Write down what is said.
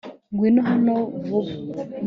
ngwino hano vuba